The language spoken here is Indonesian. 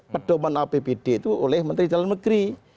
pedoman apbd itu oleh menteri dalam negeri